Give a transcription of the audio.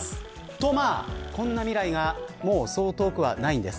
と、まあこんな未来がもうそう遠くはないんです。